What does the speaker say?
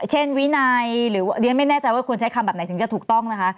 เช่นวินัยหรือเรียนไม่แน่ใจว่าควรใช้คำแบบไหนถึงจะถูกต้องนะคะ